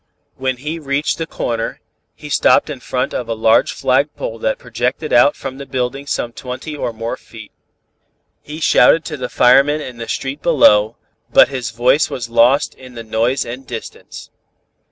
"When he reached the corner, he stopped in front of a large flagpole that projected out from the building some twenty or more feet. "He shouted to the firemen in the street below, but his voice was lost in the noise and distance.